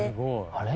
あれ？